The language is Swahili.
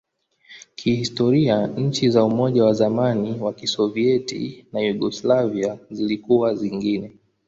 Kihistoria, nchi za Umoja wa zamani wa Kisovyeti na Yugoslavia zilikuwa zingine.